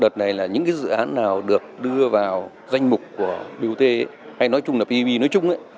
đợt này là những dự án nào được đưa vào danh mục của biu tê hay nói chung là bbb nói chung